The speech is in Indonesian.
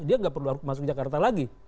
dia nggak perlu harus masuk jakarta lagi